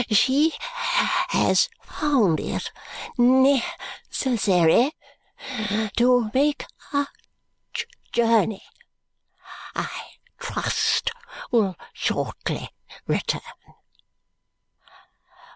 She has found it necessary to make a journey I trust will shortly return.